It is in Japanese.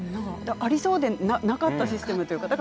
ありそうでなかったシステムですよね。